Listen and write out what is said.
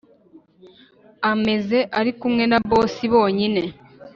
ameze arikumwe na boss bonyine